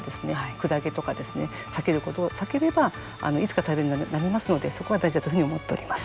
クラゲとかですね、避けることを避ければ、いつか耐えれるようになりますので、そこが大事だというふうに思っております。